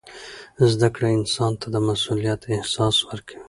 زده کړه انسان ته د مسؤلیت احساس ورکوي.